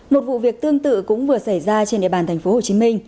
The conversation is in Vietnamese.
một vụ việc tương tự cũng vừa xảy ra trên địa bàn tp hcm